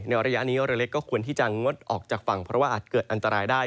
ระยะนี้เรือเล็กก็ควรที่จะงดออกจากฝั่งเพราะว่าอาจเกิดอันตรายได้